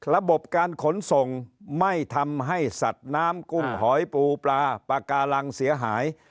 ระบบการขนส่งไม่ทำให้สัตว์น้ำกุ้งหอยปูปลาปากาลังเสียหาย